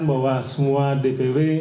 bahwa semua dpw